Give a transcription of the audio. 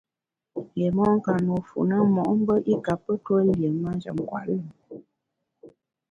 Yié mon ka nùe fu na mo’mbe i kape tue lié manjem nkwet lùm.